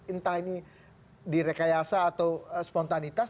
entah ini direkayasa atau spontanitas